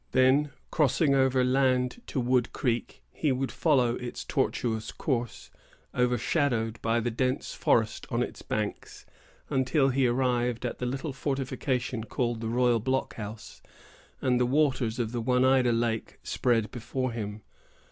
Then crossing over land to Wood Creek, he would follow its tortuous course, overshadowed by the dense forest on its banks, until he arrived at the little fortification called the Royal Blockhouse, and the waters of the Oneida Lake spread before him.